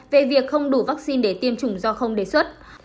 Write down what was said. về việc không đủ vaccine để tiêm chủng do không đề xuất